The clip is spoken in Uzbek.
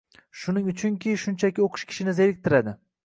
Shuning uchunki, shunchaki o‘qish kishini zeriktiradi